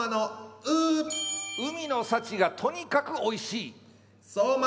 海の幸がとにかくおいしい。